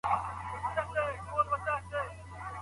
انسان د ستایني وږی دی.